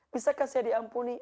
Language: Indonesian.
bisakah saya diampuni